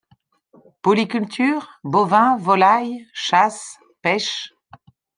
Polyculture, bovins, volaille, chasse, pêche.